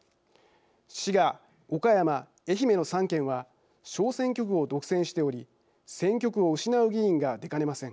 滋賀岡山愛媛の３県は小選挙区を独占しており選挙区を失う議員が出かねません。